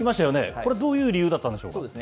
これ、どういう理由だったんでしょうか。